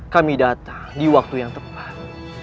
kami datang di waktu yang tepat